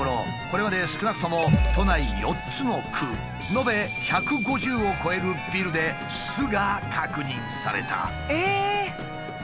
これまで少なくとも都内４つの区延べ１５０を超えるビルで巣が確認された。